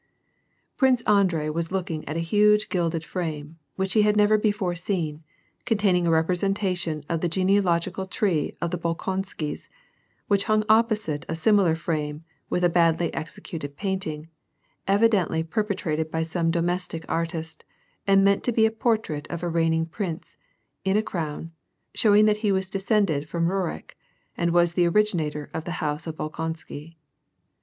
Prince Andrei was looking at a huge gilded frame, which lie had never before seen, containing a representation of the gene;i lo^cal tree of the Bolkonskys, which hung opposite a similai frame with a badly executed painting, evidently pei petrated by some domestic artist, and meant to be a portrait of a reigning prince, in a crown, showing that he was descended from Kurik, and was the originator of the house of Holkonsky.